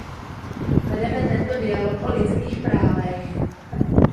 Vedeme tento dialog o lidských právech.